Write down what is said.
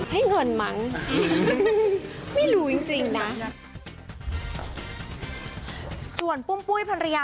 ให้เงินมั้งไม่รู้จริงนะ